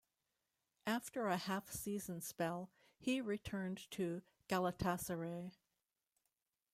After a half season spell, he returned to Galatasaray.